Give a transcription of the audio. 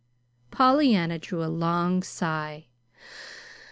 Pollyanna drew a long sigh.